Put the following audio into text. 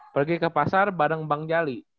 pergi ke pasar bareng bang jali